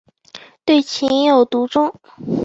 对情有独钟。